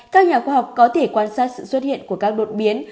các nhà khoa học có thể quan sát sự xuất hiện của các đột biến